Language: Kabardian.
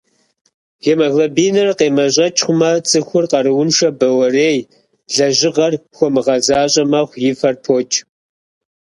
Гемоглобиныр къемащӏэкӏ хъумэ, цӏыхур къарууншэ, бауэрей, лэжьыгъэр хуэмыгъэзащӏэ мэхъу, и фэр покӏ.